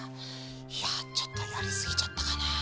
いやちょっとやりすぎちゃったかなあ。